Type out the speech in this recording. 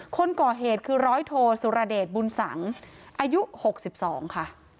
คนก่อเหตุคือร้อยโทสุรเดชบุญสังอายุ๖๒ค่ะ